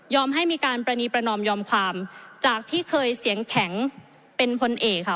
ให้มีการปรณีประนอมยอมความจากที่เคยเสียงแข็งเป็นพลเอกค่ะ